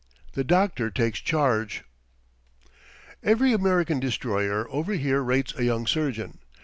THE DOCTOR TAKES CHARGE Every American destroyer over here rates a young surgeon.